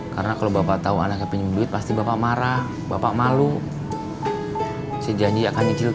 karena kalau bapak tahu anaknya pinjam uang pasti bapak marah